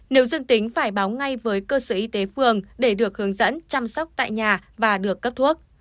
nếu dương tính phải báo ngay với cơ sở y tế phường để được hướng dẫn chăm sóc tại nhà và được cấp thuốc